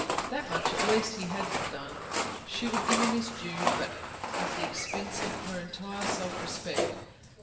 That much at least He had done she would give Him His due but at the expense of her entire self respect.